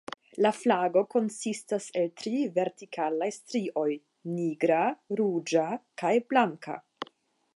La flago konsistas el tri vertikalaj strioj: nigra, ruĝa kaj blanka.